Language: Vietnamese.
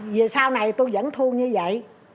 vì sau này tôi vẫn thu như vậy